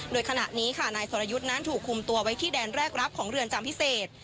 โดยขณะนี้ค่ะนายสรยุทธ์นั้นถูกคุมตัวไว้ที่แดนแรกรับของเรือนจำพิเศษ